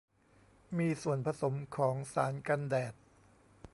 มีส่วนผสมของสารกันแดด